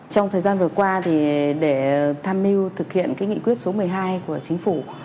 trong thời gian vừa qua để tham mưu thực hiện cái nghị quyết số một mươi hai của chính phủ